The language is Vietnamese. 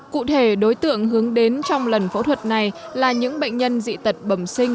cụ thể đối tượng hướng đến trong lần phẫu thuật này là những bệnh nhân dị tật bẩm sinh